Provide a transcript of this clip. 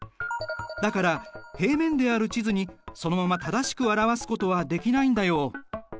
だから平面である地図にそのまま正しく表すことはできないんだよ。